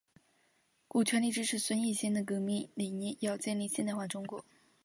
古全力支持孙逸仙的革命理念要建立现代化中国。